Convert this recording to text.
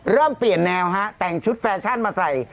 เริ่มเปลี่ยนแนวฮะแต่งชุดแฟชั่นมาใส่